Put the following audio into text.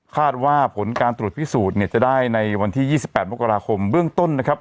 คาดว่าผลการตรวจพิสูจน์เนี่ยจะได้ในวันที่๒๘มกราคมเบื้องต้นนะครับ